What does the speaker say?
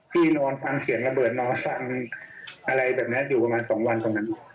พี่นอนฟังเสียงระเบิดนอนฟังอะไรแบบนี้อยู่ประมาณ๒วันตรงนั้น